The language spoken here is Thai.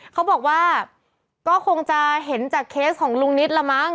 เขาบอกว่าก็คงจะเห็นจากเคสของลุงนิดละมั้ง